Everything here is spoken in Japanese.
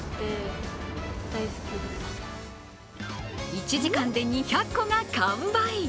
１時間で、２００個が完売。